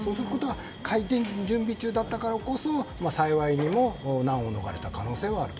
開店の準備中だったからこそ幸いにも難を逃れた可能性があると。